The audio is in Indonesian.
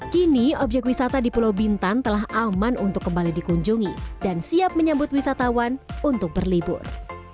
kini objek wisata di pulau bintan telah aman untuk kembali dikunjungi dan siap menyambut wisatawan untuk berlibur